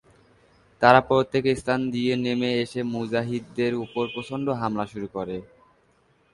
তারা প্রত্যেক স্থান দিয়ে নেমে এসে মুজাহিদদের উপর প্রচণ্ড হামলা শুরু করে।